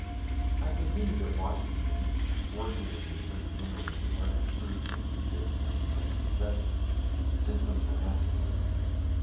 I continued at Washington working in the Attorney General's department through '66 and '67, and some time afterward.